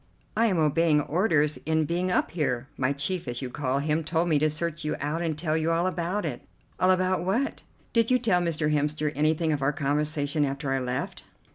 "I am obeying orders in being up here. My chief, as you call him, told me to search you out and tell you all about it." "All about what?" "Did you tell Mr. Hemster anything of our conversation after I left?"